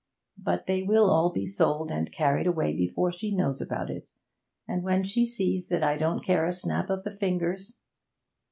But they will all be sold and carried away before she knows about it; and when she sees that I don't care a snap of the fingers!'